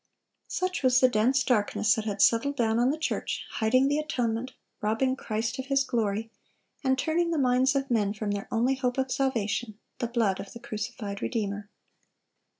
(369) Such was the dense darkness that had settled down on the church, hiding the atonement, robbing Christ of His glory, and turning the minds of men from their only hope of salvation,—the blood of the crucified Redeemer.